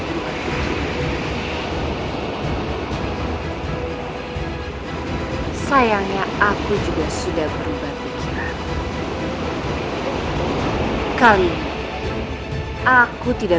beraniskan kau berteriak teriak seperti itu cada ngerti atau tidak